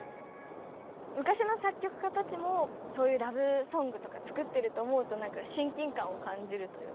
昔の作曲家たちもそういうラブソングとか作ってると思うとなんか親近感を感じるというか。